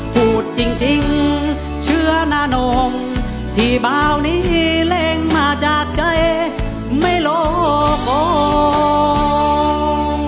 พูดจริงเชื่อนานงที่เบานี้เล็งมาจากใจไม่โลกอง